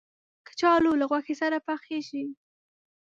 کچالو له غوښې سره پخېږي